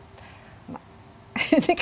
ini kayaknya didik